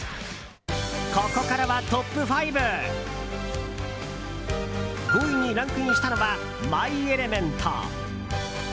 ここからはトップ５！５位にランクインしたのは「マイ・エレメント」。